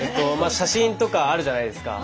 写真とかあるじゃないですか。